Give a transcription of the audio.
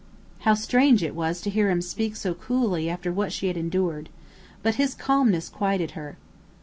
How strange it was to hear him speak so coolly after what she had endured! But his calmness quieted her.